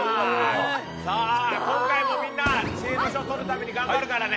さあ今回もみんな知恵の書取るために頑張るからね。